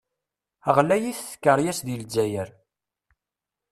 Γlayit tkeryas di Lezzayer.